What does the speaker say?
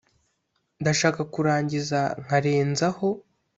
ndashaka kurangiza nkarenzaho